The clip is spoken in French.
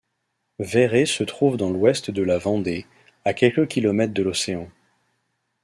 Vairé se trouve dans l’ouest de la Vendée, à quelques kilomètres de l’océan.